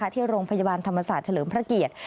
ที่โรงพยาบาลธรรมศาสตร์เฉลิมพระเกียรติ